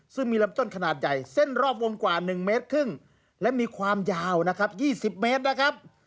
ซึ่งมีลำต้นขนาดใหญ่เส้นรอบวงกว่า๑เมตรครึ่งและมีความยาวนะครับ๒๐เมตรนะครับ